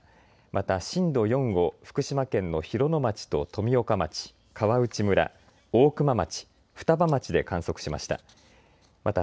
また震度４を福島県の広野町と富岡町、川内村、大熊町、双葉町で観測しました。